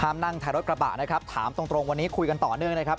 นั่งท้ายรถกระบะนะครับถามตรงวันนี้คุยกันต่อเนื่องนะครับ